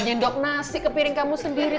nyendok nasi ke piring kamu sendiri